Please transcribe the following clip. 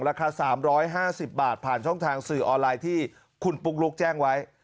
ราคา๓๕๐บาทผ่านช่องทางสื่อออนไลน์ที่คุณปุ๊กลุ๊กแจ้งไว้